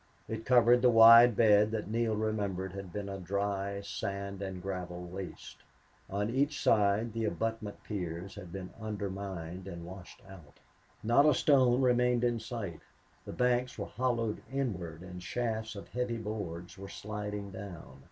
It covered the wide bed that Neale remembered had been a dry, sand and gravel waste. On each side the abutment piers had been undermined and washed out. Not a stone remained in sight. The banks were hollowed inward and shafts of heavy boards were sliding down.